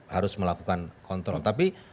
harus melakukan kontrol tapi